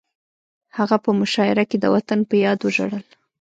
هغه په مشاعره کې د وطن په یاد وژړل